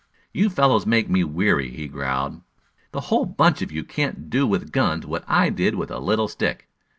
"You fellows make me weary," he growled. "The whole bunch of you can't do with guns what I did with a little stick.